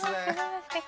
すてき！